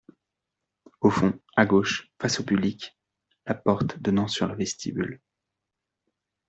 Au fond, à gauche, face au public, la porte donnant sur le vestibule.